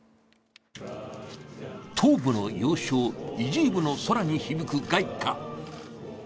東部の要衝、イジュームの空に響く凱歌。